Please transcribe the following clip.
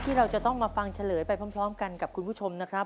เราจะต้องมาฟังเฉลยไปพร้อมกันกับคุณผู้ชมนะครับ